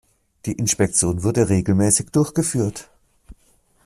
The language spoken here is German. Die Inspektion wurde regelmäßig durchgeführt.